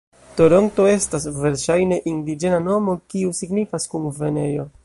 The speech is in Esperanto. Toronto estas verŝajne indiĝena nomo kiu signifas "Kunvenejo".